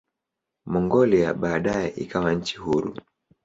Mongolia baadaye ikawa nchi huru.